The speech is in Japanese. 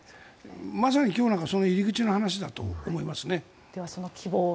まさに今日はその入り口の話だと思います。